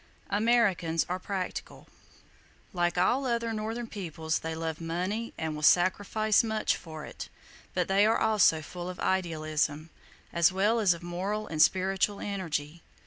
Americans are practical. Like all other northern peoples, they love money and will sacrifice much for it, but they are also full of idealism, as well as of moral and spiritual energy.